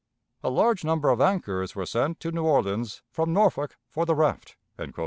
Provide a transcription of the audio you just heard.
... A large number of anchors were sent to New Orleans from Norfolk for the raft."